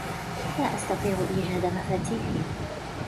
لا استطيع إيجاد مفاتيحي.